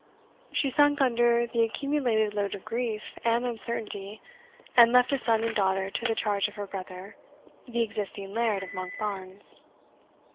She sunk under the accumulated load of grief and uncertainty, and left a son and daughter to the charge of her brother, the existing Laird of Monkbarns.